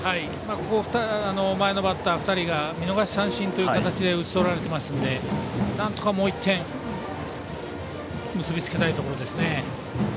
ここ、前のバッター２人が見逃し三振という形で打ち取られていますのでなんとか、もう１点結び付けたいところです。